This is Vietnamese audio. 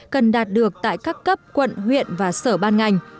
cần đạt được tại các cấp quận huyện và sở ban ngành